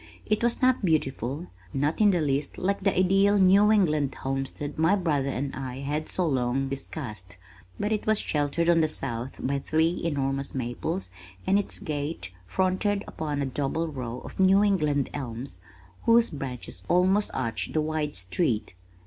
It was not beautiful, not in the least like the ideal New England homestead my brother and I had so long discussed, but it was sheltered on the south by three enormous maples and its gate fronted upon a double row of New England elms whose branches almost arched the wide street.